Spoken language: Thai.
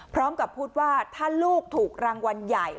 พร้อมกับพูดว่าถ้าลูกถูกรางวัลใหญ่